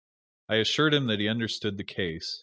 I assured him that he understood the case.